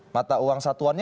mata uang satuannya